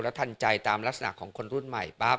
ทันใจตามลักษณะของคนรุ่นใหม่ปั๊บ